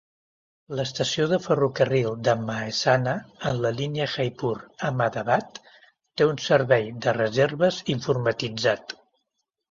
L'estació de ferrocarril de Mahesana, en la línia Jaipur-Ahmadabad, té un servei de reserves informatitzat.